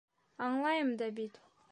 — Аңлайым да бит.